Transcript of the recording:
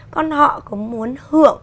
con họ có muốn hưởng